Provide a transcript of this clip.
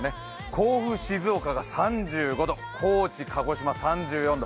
甲府、静岡が３５度、高知、鹿児島３４度。